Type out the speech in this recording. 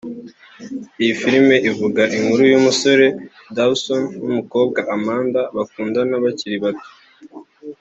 Iyi filime ivuga inkuru y’umusore Dawson n’umukobwa Amanda bakundana bakiri bato